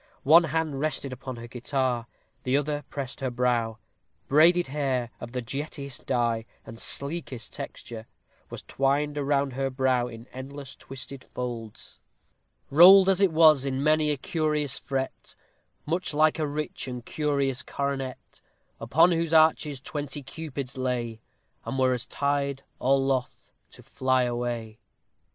One small hand rested upon her guitar, the other pressed her brow. Braided hair, of the jettiest dye and sleekest texture, was twined around her brow in endless twisted folds: Rowled it was in many a curious fret, Much like a rich and curious coronet, Upon whose arches twenty Cupids lay, And were as tied, or loth to fly away.